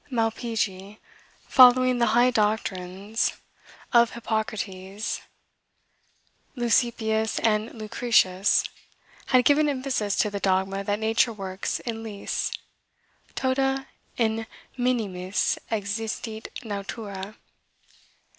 Malpighi, following the high doctrines of Hippocrates, Leucippus, and Lucretius, had given emphasis to the dogma that nature works in leasts, "tota in minimis existit natura."